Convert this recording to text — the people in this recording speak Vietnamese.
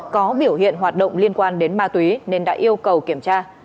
có biểu hiện hoạt động liên quan đến ma túy nên đã yêu cầu kiểm tra